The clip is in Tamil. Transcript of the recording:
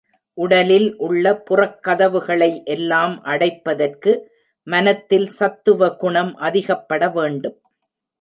உடலில் உள்ள புறக் கதவுகளை எல்லாம் அடைப்பதற்கு மனத்தில் சத்துவகுணம் அதிகப்பட வேண்டும்.